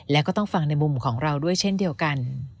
แล้วก็ต้องฟังในมุมของเราด้วยเช่นเดียวกัน